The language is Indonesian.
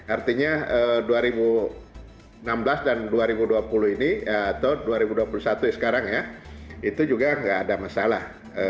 artinya dua ribu enam belas dan dua ribu dua puluh ini atau dua ribu dua puluh satu sekarang ya itu juga nggak ada masalah